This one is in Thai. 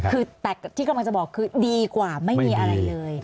คือแต่ที่กำลังจะบอกคือดีกว่าไม่มีอะไรเลย